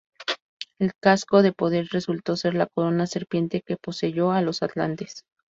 El Casco de Poder resultó ser la Corona Serpiente, que poseyó a los atlantes.